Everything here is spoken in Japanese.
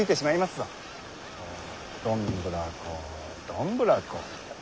どんぶらこどんぶらことな。